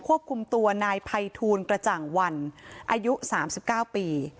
ควบคุมตัวนายไพทูลกระจ่างวันอายุสามสิบเก้าปี